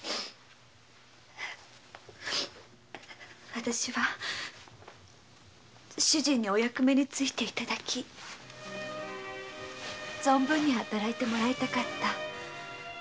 私は主人にお役目に就いて頂き存分に働いてもらいたかった。